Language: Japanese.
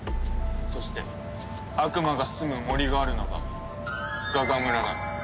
そして悪魔が住む森があるのがガガ村だ。